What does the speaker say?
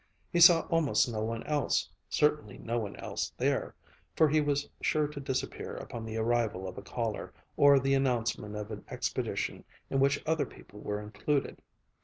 He saw almost no one else, certainly no one else there, for he was sure to disappear upon the arrival of a caller, or the announcement of an expedition in which other people were included.